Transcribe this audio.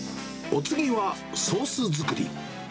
お次は、ソース作り。